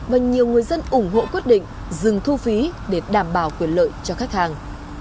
và nhiều người dân ủng hộ quyết định dừng thu phí để đảm bảo quyền lợi cho khách hàng